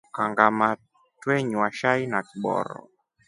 Kangama twenywa shai na kiboro.